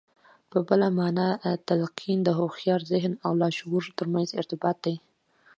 په بله مانا تلقين د هوښيار ذهن او لاشعور ترمنځ ارتباط دی.